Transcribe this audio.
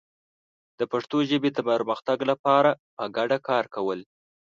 د پښتو ژبې د پرمختګ لپاره په ګډه کار کول